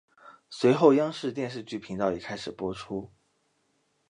随后央视电视剧频道也开始播出。